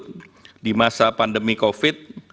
pengurusan pandemi covid sembilan belas